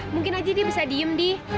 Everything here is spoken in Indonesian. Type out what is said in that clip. mungkin aja dia bisa diem nih